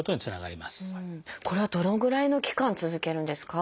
これはどのぐらいの期間続けるんですか？